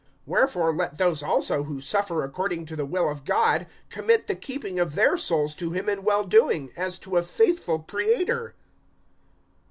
(19)Wherefore let those also, who suffer according to the will of God, commit the keeping of their souls to him in well doing, as to a faithful Creator.